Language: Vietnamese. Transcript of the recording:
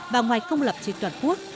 và ngoài công lập trên toàn quốc